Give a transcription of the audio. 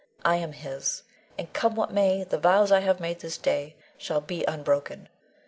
I am his, and come what may, the vows I have this day made shall be unbroken.